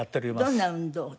どんな運動を？